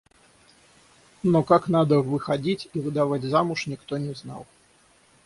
Но как надо выходить и выдавать замуж, никто не знал.